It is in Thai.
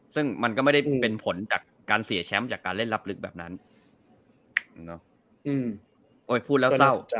ซึ่งมันก็ไม่ได้เป็นผลจากการเสียแชมป์จากการเล่นลับลึกแบบนั้นโอ้ยพูดแล้วเศร้า